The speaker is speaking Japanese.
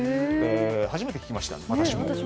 初めて聞きました、私も。